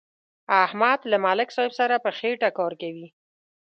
احمد له ملک صاحب سره په خېټه کار کوي.